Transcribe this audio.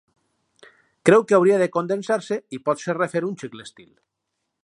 Creu que hauria de condensar-se i potser refer un xic l'estil.